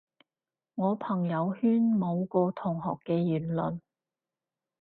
我朋友圈某個同學嘅言論